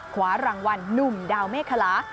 ขวารางวัลหนุ่มดาวเมฆคลา